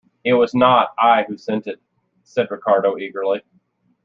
"It was not I who sent it," said Ricardo eagerly.